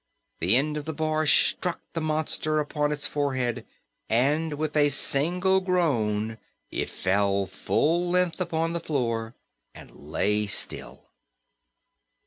The end of the bar struck the monster upon its forehead, and with a single groan it fell full length upon the floor and lay still.